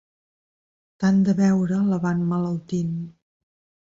Tant de beure la va emmalaltint.